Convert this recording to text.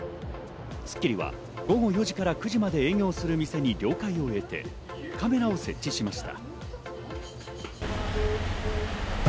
『スッキリ』は午後４時から９時まで営業する店に了解を得てカメラを設置しました。